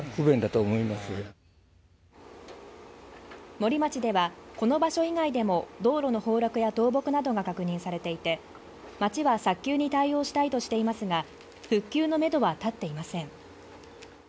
森町では、この場所以外でも道路の崩落や倒木などが確認されていて、町は早急に対応したいとしていますが、復旧のめどは立っていません。